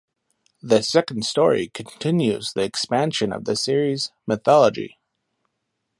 The second story continues the expansion of the series mythology.